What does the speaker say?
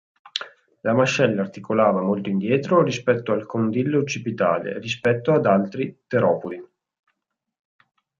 La mascella articolava molto indietro rispetto al condilo occipitale, rispetto ad altri teropodi.